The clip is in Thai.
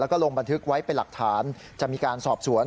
แล้วก็ลงบันทึกไว้เป็นหลักฐานจะมีการสอบสวน